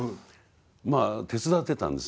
まあ手伝ってたんですね。